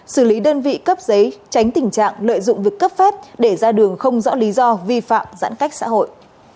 xử lý đơn vị cấp giấy tránh tình trạng lợi dụng việc cấp phép để ra đường không rõ lý do vi phạm giãn cách xã hội